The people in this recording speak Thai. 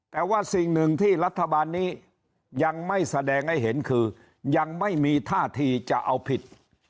แต่ว่าสิ่งหนึ่งที่รัฐบาลนี้ยังไม่แสดงให้เห็นคือยังไม่มีท่าทีจะเอาผิด